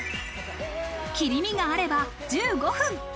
切り身があれば１５分。